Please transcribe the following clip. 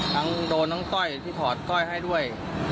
โดนทั้งต้อยที่ถอดก้อยให้ด้วย